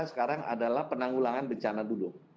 sekarang adalah penanggulangan bencana dulu